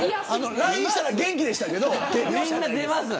ＬＩＮＥしたら元気でしたけれど。